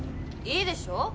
いいでしょ